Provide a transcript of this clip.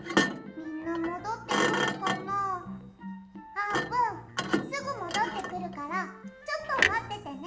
あーぷんすぐもどってくるからちょっとまっててね。